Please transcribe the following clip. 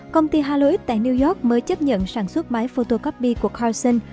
công ty halo x tại new york mới chấp nhận sản xuất máy photocopy của carson